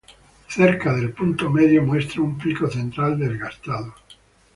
Cerca del punto medio muestra un pico central desgastado.